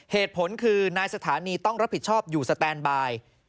เหตุผลคือนายสถานีต้องรับผิดชอบอยู่สแตนบาย